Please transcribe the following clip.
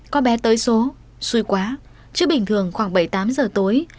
có bé tới số xui quá chứ bình thường khoảng bảy tám giờ tối